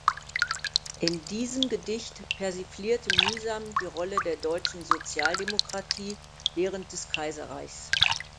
In diesem Gedicht persiflierte Mühsam die Rolle der deutschen Sozialdemokratie während des Kaiserreichs.